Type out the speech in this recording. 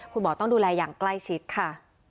คุณหมอต้องดูแลอย่างใกล้ชิดค่ะ